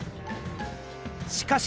しかし！